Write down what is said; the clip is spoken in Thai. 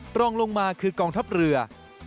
ตรงลงมาคือกองทัพเรือ